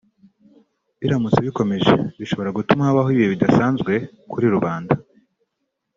biramutse bikomeje bishobora gutuma habaho ibihe bidasanzwe kuri rubanda